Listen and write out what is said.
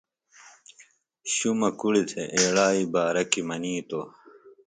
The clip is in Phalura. شُمہ کُڑیۡ تھےۡ ایڑائیۡ بارہ کیۡ منِیتوۡ